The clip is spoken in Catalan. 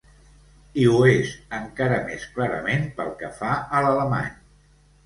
I ho és encara més clarament pel que fa a l'alemany.